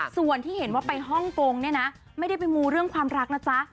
ส่วนที่เห็นว่าไปฮ่องกงเนี่ยนะไม่ได้ไปมูเรื่องความรักนะจ๊ะ